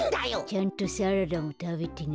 ちゃんとサラダもたべてね。